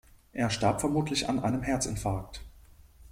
Er starb vermutlich an einem Herzinfarkt.